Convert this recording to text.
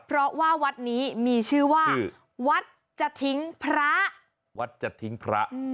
เพราะว่าวัดนี้มีชื่อว่าวัดจะทิ้งพระ